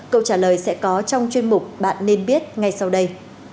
câu trả lời sẽ có trong chuyên mục bạn nên biết ngay sau đây